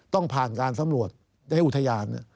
ต้องผ่านการสำรวจและอุทยาน